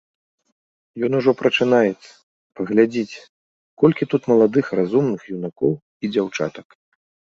Ён ужо прачынаецца, паглядзіце, колькі тут маладых разумных юнакоў і дзяўчатак.